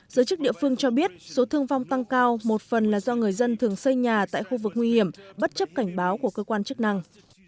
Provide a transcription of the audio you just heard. giới chức địa phương cho biết số thương vong tăng cao một phần là do người dân thường xây nhà tại khu vực nguy hiểm bất chấp cảnh báo của cơ quan chức năng